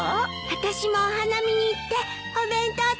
あたしもお花見に行ってお弁当食べたい！